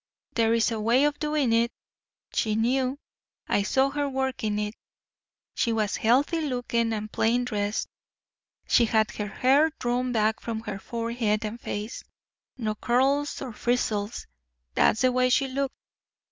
There's a way of doing it. She knew. I saw her working it. She was healthy looking and plain dressed. She had her hair drawn back from her forehead and face—no curls or frizzes; that's the way she looked.